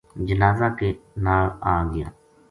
جنازا کے نال آ گیا